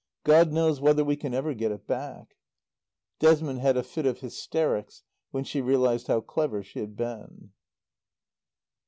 God knows whether we can ever get it back!" Desmond had a fit of hysterics when she realized how clever she had been.